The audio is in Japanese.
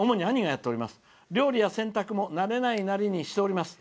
料理や洗濯も慣れないなりにしております。